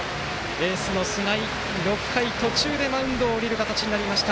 エースの菅井、６回途中でマウンドを降りる形になりました。